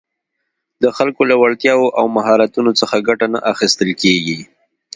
د خلکو له وړتیاوو او مهارتونو څخه ګټه نه اخیستل کېږي